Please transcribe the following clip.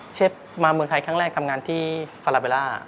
เชฟมาเมืองไทยครั้งแรกทำงานที่ฟาลาเบลล่า